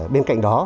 bên cạnh đó